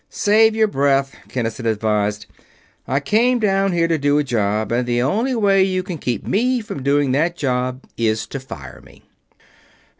"Save your breath," Kinnison advised. "I came down here to do a job, and the only way you can keep me from doing that job is to fire me."